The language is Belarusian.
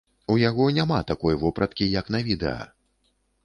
У яго няма такой вопраткі, як на відэа.